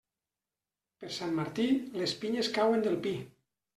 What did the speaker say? Per Sant Martí, les pinyes cauen del pi.